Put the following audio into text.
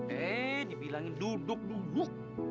hei dibilangin duduk duduk